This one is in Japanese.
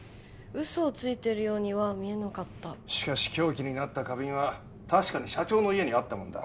嘘をついてるようには見えなかったしかし凶器になった花瓶は確かに社長の家にあったもんだ